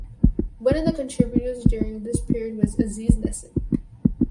One of the contributors during this period was Aziz Nesin.